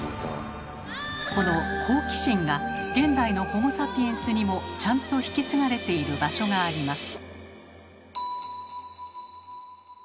この好奇心が現代のホモ・サピエンスにもちゃんと引き継がれている場所があります。